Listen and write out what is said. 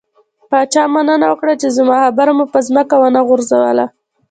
پاچا مننه وکړه، چې زما خبره مو په ځمکه ونه غورځوله.